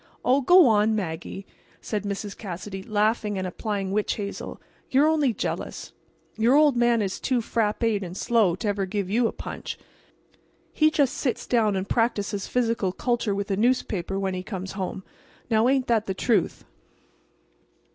"Oh, go on, Maggie!" said Mrs. Cassidy, laughing and applying witch hazel, "you're only jealous. Your old man is too frappéd and slow to ever give you a punch. He just sits down and practises physical culture with a newspaper when he comes home—now ain't that the truth?"